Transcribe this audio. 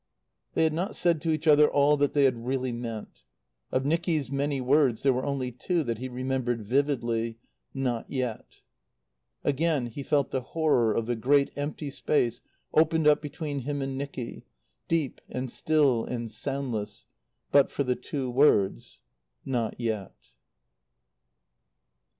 They had not said to each other all that they had really meant. Of Nicky's many words there were only two that he remembered vividly, "Not yet." Again he felt the horror of the great empty space opened up between him and Nicky, deep and still and soundless, but for the two words: "Not yet."